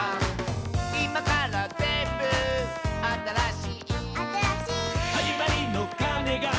「いまからぜんぶあたらしい」「あたらしい」「はじまりのかねが」